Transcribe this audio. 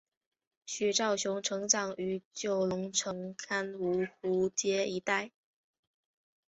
许绍雄成长于九龙城红磡芜湖街一带。